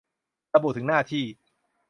ระบุถึงหน้าที่